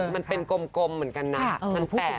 มันเป็นกลมเหมือนกันนั้นมันแปดไหมนะ